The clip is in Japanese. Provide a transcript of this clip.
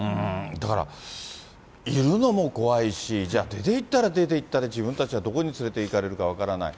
だから、いるのも怖いし、じゃあ、出ていったら出ていったで、自分たちはどこに連れていかれるか分からない。